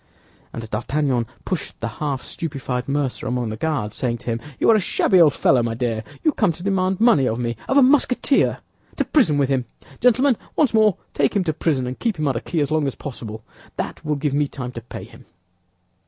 And D'Artagnan pushed the half stupefied mercer among the Guards, saying to him, "You are a shabby old fellow, my dear. You come to demand money of me—of a Musketeer! To prison with him! Gentlemen, once more, take him to prison, and keep him under key as long as possible; that will give me time to pay him."